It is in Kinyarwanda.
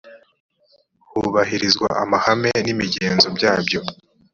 hubahirizwa amahame n’imigenzo byabyo